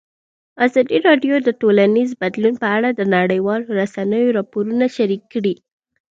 ازادي راډیو د ټولنیز بدلون په اړه د نړیوالو رسنیو راپورونه شریک کړي.